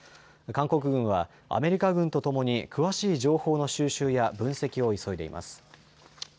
韓国軍はアメリカ軍とともに詳しい情報の収集や分析を急いでいます。